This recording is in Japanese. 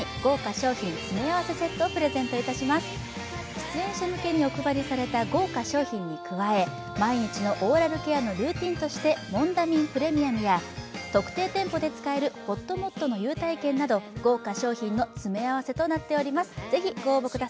出演者向けにお配りされた豪華賞品に加え、毎日のオーラルケアのルーティンとしてモンダミンプレミアムや特定店舗で使える、ほっともっとの優待券など豪華賞品の詰め合わせとなっております。